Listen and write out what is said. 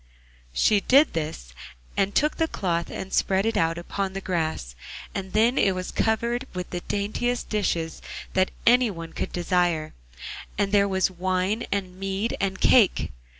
So she did this, and took the cloth and spread it out upon the grass, and then it was covered with the daintiest dishes that any one could desire, and there was wine, and mead, and cake.